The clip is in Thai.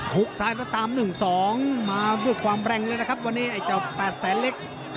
กซ้ายแล้วตาม๑๒มาด้วยความแรงเลยนะครับวันนี้ไอ้เจ้า๘แสนเล็ก